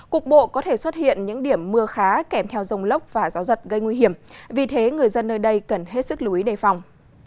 cục bộ có thể xuất hiện những điểm mưa khá kèm theo rông lốc và gió giật gây nguy hiểm vì thế người dân nơi đây cần hết sức lưu ý đề phòng